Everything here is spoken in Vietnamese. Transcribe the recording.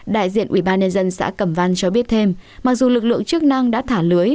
đại diện ubnd xã cẩm văn cho biết thêm mặc dù lực lượng chức năng đã thả lưới